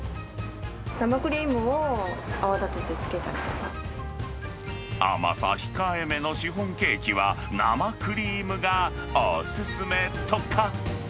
生クリームを泡立ててつけた甘さ控えめのシフォンケーキは、生クリームがお勧めとか。